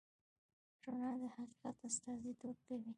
رڼا د حقیقت استازیتوب کوي.